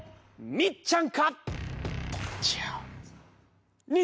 みっちゃん！